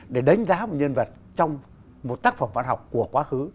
để đánh giá một nhân vật trong một tác phẩm văn học của quá khứ